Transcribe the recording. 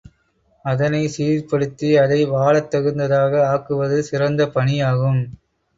அதனைச் சீர்படுத்தி அதை வாழத் தகுந்த தாக ஆக்குவது சிறந்த பணியாகும்.